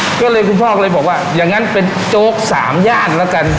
ก็เลยคุณพ่อก็เลยบอกว่าอย่างนั้นเป็นโจ๊กสามย่านแล้วกัน